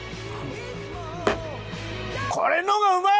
これの方がうまい！